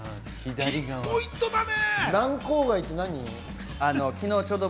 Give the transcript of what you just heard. ピンポイントだね。